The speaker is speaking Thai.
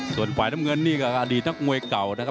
ส่วนฝ่ายน้ำเงินนี่ก็อดีตนักมวยเก่านะครับ